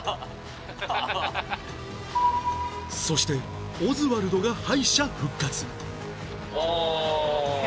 そしてオズワルドが敗者復活あ。